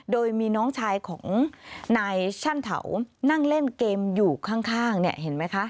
โดยมีน้องชายของนายช่างเถานั่งเล่นเกมอยู่ข้างเนี่ยเห็นไหมคะ